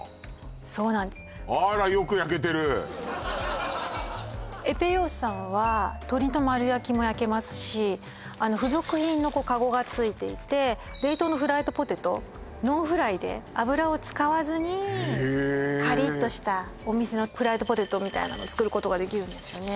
そうなんですあらよく焼けてるＥＰＥＩＯＳさんは鶏の丸焼きも焼けますし付属品のこうカゴがついていて冷凍のフライドポテトノンフライで油を使わずにへえカリッとしたお店のフライドポテトみたいなの作ることができるんですよね